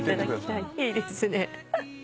いいですね。